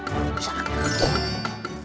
semoga masih bangun